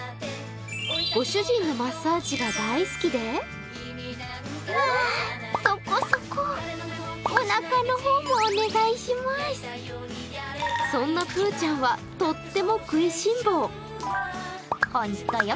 ご主人のマッサージが大好きでそんなぷーちゃんはとっても食いしん坊。